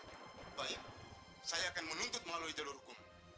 pak rijal saya akan menuntut melalui jalur hukum